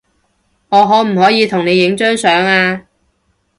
我可唔可以同你影張相呀